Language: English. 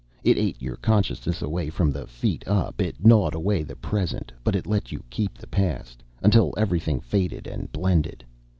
It ate your consciousness away from the feet up; it gnawed away the Present, but it let you keep the Past, until everything faded and blended.